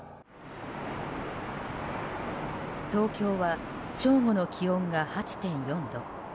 東京は正午の気温が８．４度。